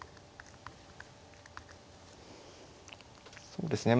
そうですね